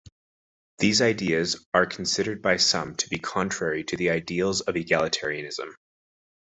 These ideas are considered by some to be contrary to the ideals of egalitarianism.